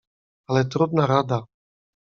"Ale trudna rada."